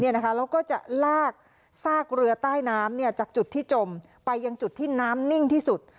แล้วก็จะลากซากเรือใต้น้ำจากจุดที่จมไปยังจุดที่น้ำนิ่งที่สุด